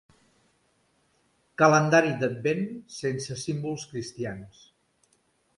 Calendari d'Advent sense símbols cristians.